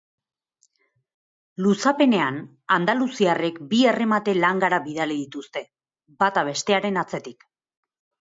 Luzapenean, andaluziarrek bi erremate langara bidali dituzte, bata bestearen atzetik.